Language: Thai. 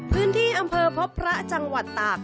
พื้นที่อำเภอพบพระจังหวัดตาก